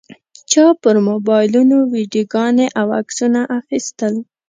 چا پر موبایلونو ویډیوګانې او عکسونه اخیستل.